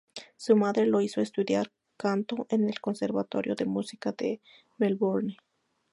Su madre lo hizo estudiar canto en el Conservatorio de Música de Melbourne.